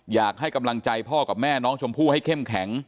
อยากให้กำลังใจพ่อกับแม่น้องชมพู่ให้เข้มแข็ง